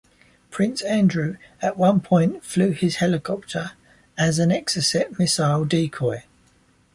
Prince Andrew at one point flew his helicopter as an Exocet missile decoy.